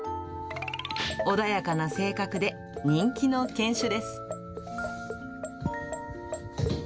穏やかな性格で、人気の犬種です。